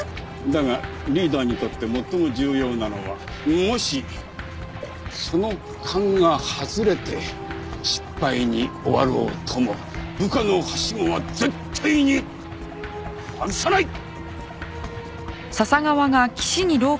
だがリーダーにとって最も重要なのはもしその勘が外れて失敗に終わろうとも部下のはしごは絶対に外さない！あっ。